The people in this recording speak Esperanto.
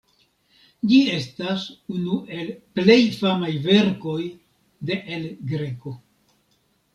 Ĝi estas unu el plej famaj verkoj de El Greco.